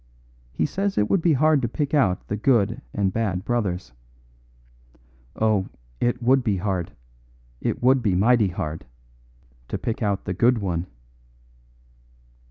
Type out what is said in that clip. He says it would be hard to pick out the good and bad brothers. Oh, it would be hard, it would be mighty hard, to pick out the good one."